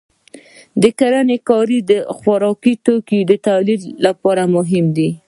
د کرنې کار د خوراکي توکو د تولید لپاره مهم دی.